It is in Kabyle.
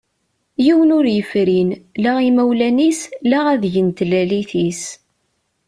Yiwen ur yefrin la imawlan-is la adeg n tlalit-is.